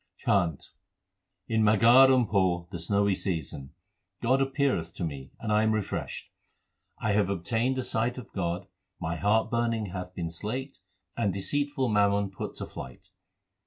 CHHANT In Maghar and Poh, the snowy season, God appeareth to me and I am refreshed. I have obtained a sight of God, my heart burning hath been slaked, and deceitful mammon put to flight.